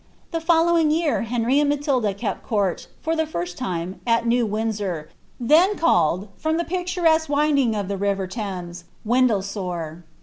The following year Henry and Matilda kept court, for Uie first tinft at New Windsor, then called, from the picturesque winding of the lint Thames, Windlesore.